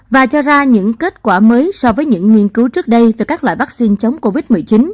và cho ra những kết quả mới so với những nghiên cứu trước đây về các loại vaccine chống covid một mươi chín